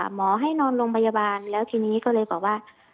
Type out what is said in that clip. หมอให้นอนโรงพยาบาลแล้วทีนี้ก็เลยบอกว่า